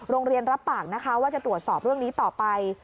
โรงเรียนรับปากว่าจะตรวจสอบเรื่องนี้ต่อไป